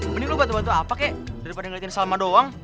mending lu bantu bantu apa kek daripada ngeliatin salma doang